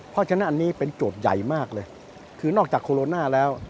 เพราะฉะนั้นอันนี้เป็นโจทย์ใหญ่มากเลยคือนอกจากโคโรนาแล้ว